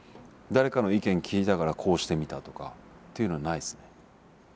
誰かの意見聞いたからこうしてみたとかっていうのはないですね。